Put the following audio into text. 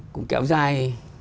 cũng kéo dài